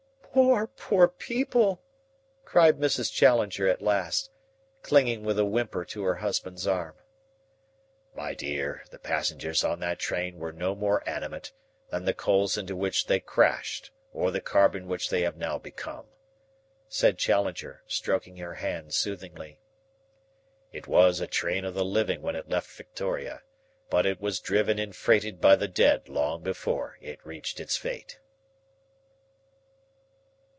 "Poor, poor people!" cried Mrs. Challenger at last, clinging with a whimper to her husband's arm. "My dear, the passengers on that train were no more animate than the coals into which they crashed or the carbon which they have now become," said Challenger, stroking her hand soothingly. "It was a train of the living when it left Victoria, but it was driven and freighted by the dead long before it reached its fate."